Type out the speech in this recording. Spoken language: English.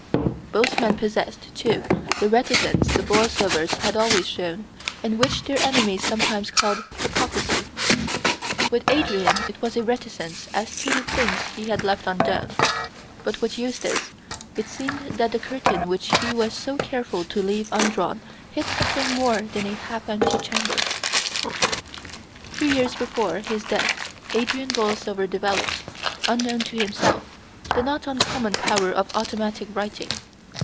Both men possessed, too, the reticence the Borlsovers had always shown, and which their enemies sometimes called hypocrisy. With Adrian it was a reticence as to the things he had left undone; but with Eustace it seemed that the curtain which he was so careful to leave undrawn hid something more than a half empty chamber. Two years before his death Adrian Borlsover developed, unknown to himself, the not uncommon power of automatic writing.